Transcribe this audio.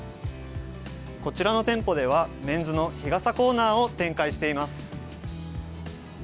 こちらの店舗では、メンズの日傘コーナーを展開しています。